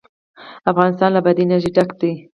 افغانستان له بادي انرژي ډک دی.